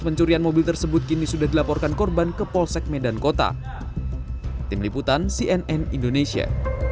pencurian mobil tersebut kini sudah dilaporkan korban ke polsek medan kota tim liputan cnn indonesia